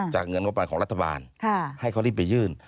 จากเงินอุปนทร์ของรัฐบาลให้เขารีบไปยื่น